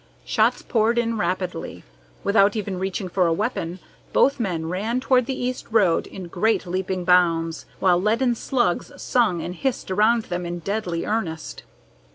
Shots poured in rapidly. Without even reaching for a weapon, both men ran toward the east road in great leaping bounds, while leaden slugs sung and hissed around them in deadly earnest.